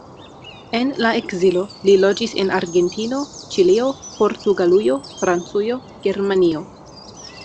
En la ekzilo, li loĝis en Argentino, Ĉilio, Portugalujo, Francujo, Germanio.